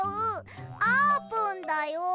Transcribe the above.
あーぷんだよ！